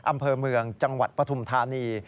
อำเภอเมืองจังหวัดปฐุมธานี